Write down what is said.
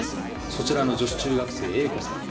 そちらの女子中学生、Ａ子さん。